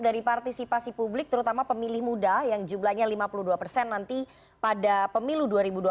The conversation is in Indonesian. dari partisipasi publik terutama pemilih muda yang jumlahnya lima puluh dua persen nanti pada pemilu dua ribu dua puluh empat